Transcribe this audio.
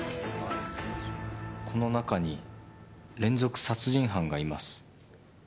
この中に連続殺人犯がいます。